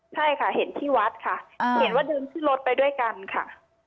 ใช่ค่ะเห็นที่วัดค่ะเห็นว่าดึงขึ้นรถไปด้วยกันค่ะ